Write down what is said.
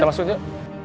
kita masuk yuk